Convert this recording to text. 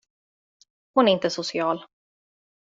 Hon är inte social.